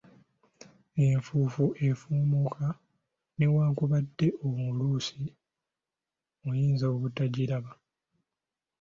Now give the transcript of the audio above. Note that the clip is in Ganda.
Enfuufu efumuuka, newankubadde ng'oluusi oyinza obutagiraba.